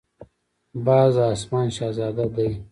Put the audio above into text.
باز د آسمان شهزاده دی